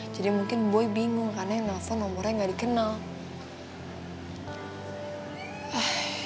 jadi mungkin boy bingung karena yang nelpon nomornya gak dikenal